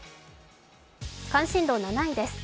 関心度７位です。